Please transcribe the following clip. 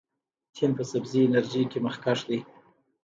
چین په سبزې انرژۍ کې مخکښ دی.